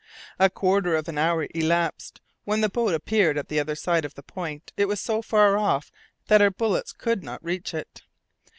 A quarter of an hour elapsed. When the boat appeared at the other side of the point, it was so far off that our bullets could not reach it.